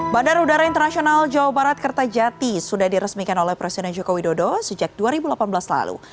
bandar udara internasional jawa barat kertajati sudah diresmikan oleh presiden joko widodo sejak dua ribu delapan belas lalu